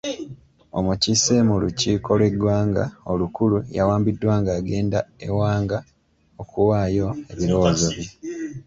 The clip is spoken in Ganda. Omukiise mu lukiiko lw'egwanga olukulu yawambiddwa ng'agenda Ewanga okuwaayo ebirowoozo bye.